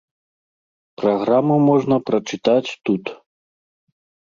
Праграму можна прачытаць тут.